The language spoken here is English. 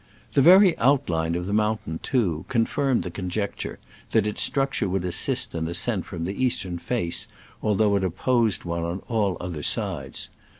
The very outline of the mountain, too, confirmed the conjecture that its struc ture would assist an ascent on the east ern face, although it opposed one on all other sides.